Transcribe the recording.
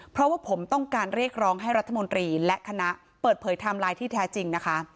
เพราะว่าผมต้องการเรียกร้องให้รัฐมนตรีและคณะเปิดเผยไทม์ไลน์ที่แท้จริงนะคะ